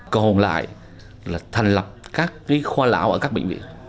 còn lại là thành lập các khoa lão ở các bệnh viện